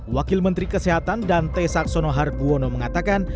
wakil menteri kesehatan dante saxono harbuwono mengatakan